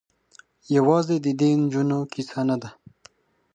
یوازې د دې نجونو کيسه نه ده.